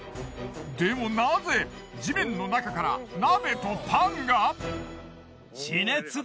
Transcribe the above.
でもナゼ地面の中から鍋とパンが？